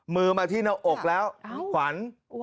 มือมาที่หน้าอกแล้วขวัญ